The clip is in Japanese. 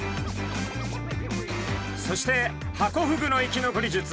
そしてハコフグの生き残り術